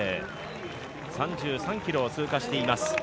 ３３ｋｍを通過しています。